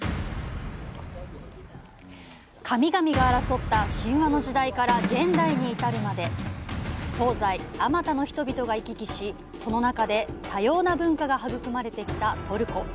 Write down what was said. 神々が争った神話の時代から現代に至るまで東西、あまたの人々が行き来しその中で多様な文化が育まれてきたトルコ。